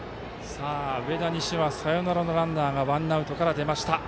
上田西はサヨナラのランナーがワンアウトから出ました。